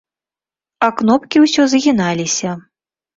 А кнопкі ўсё загіналіся.